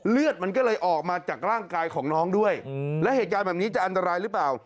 เลือดมันก็เลยออกมาจากร่างกายของน้องด้วยและเหตุการณ์แบบนี้จะอันตรายหรือเปล่า